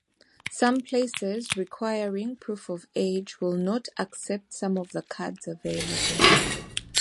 Some places requiring proof of age will not accept some of the cards available.